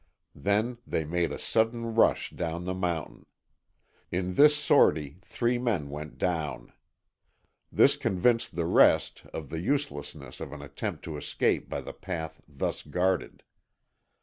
Then they made a sudden rush down the mountain. In this "sortie" three men went down. This convinced the rest of the uselessness of an attempt to escape by the path thus guarded.